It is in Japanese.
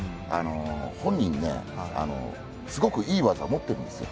本人、すごくいい技を持っているんですよ。